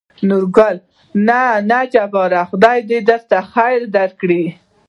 نورګل: نه نه جباره خداى د درته خېر درکړي.